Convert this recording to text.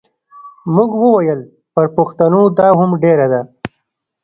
موږ وویل پر پښتنو دا هم ډېره ده.